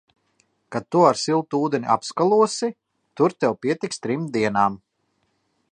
Kad tu ar siltu ūdeni apskalosi, tur tev pietiks trim dienām.